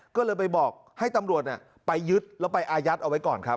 ก็เลยไปบอกให้ตำรวจไปยึดแล้วไปอายัดเอาไว้ก่อนครับ